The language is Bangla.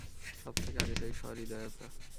সব থেকে আগে চাই সহৃদয়তা।